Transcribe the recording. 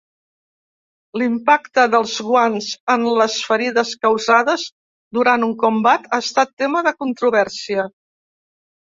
L'impacte dels guants en les ferides causades durant un combat ha estat tema de controvèrsia.